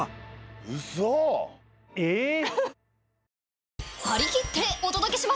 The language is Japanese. えっ！？